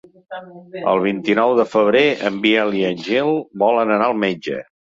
El vint-i-nou de febrer en Biel i en Gil volen anar al metge.